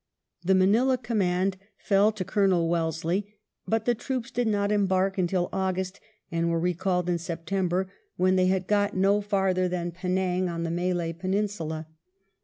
The Manilla command fell to Colonel Wellesley, but the troops did not embark until August^ and were recalled in September, when they had got no farther than Penang on the Malay Peninsula.